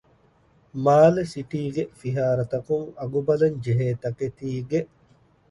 މާލެ ސިޓީގެ ފިހާރަތަކުން އަގުބަލަންޖެހޭ ތަކެތީގެ